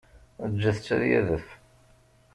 Ǧǧet-t ad d-yadef.